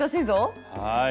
はい。